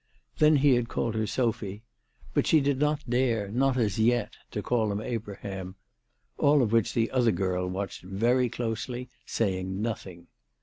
Then he had called her Sophy. But she did not dare, not as yet, to call him Abraham. All which the other girl watched very closely, saying nothing.